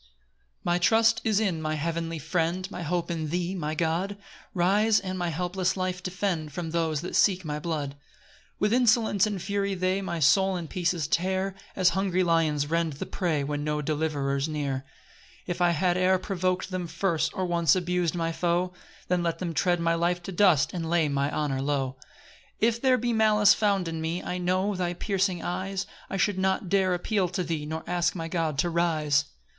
1 My trust is in my heavenly Friend, My hope in thee, my God; Rise and my helpless life defend From those that seek my blood. 2 With insolence and fury they My soul in pieces tear, As hungry lions rend the prey When no deliverer's near. 3 If I had e'er provok'd them first, Or once abus'd my foe, Then let him tread my life to dust, And lay mine honour low. 4 If there be malice found in me, I know thy piercing eyes; I should not dare appeal to thee, Nor ask my God to rise.